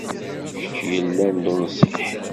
Kečč yellan d unṣiḥ.